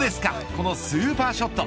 このスーパーショット。